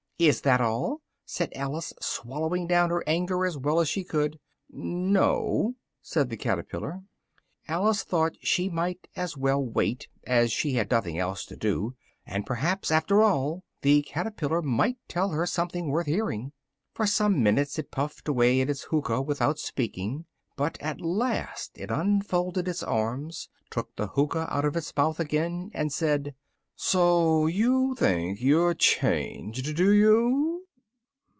"Is that all?" said Alice, swallowing down her anger as well as she could. "No," said the caterpillar. Alice thought she might as well wait, as she had nothing else to do, and perhaps after all the caterpillar might tell her something worth hearing. For some minutes it puffed away at its hookah without speaking, but at last it unfolded its arms, took the hookah out of its mouth again, and said "so you think you're changed, do you?"